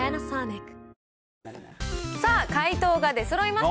さあ、解答が出そろいました。